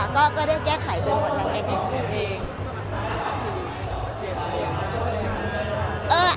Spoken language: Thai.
ก็ได้แก้ไขโบสถ์แล้ว